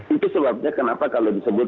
itu sebabnya kenapa kalau disebut